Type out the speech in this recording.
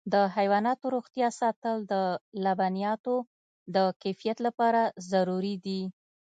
د حیواناتو روغتیا ساتل د لبنیاتو د کیفیت لپاره ضروري دي.